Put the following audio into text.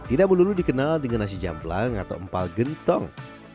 tidak melulu dikenal dengan nasi jamblang atau empal gentong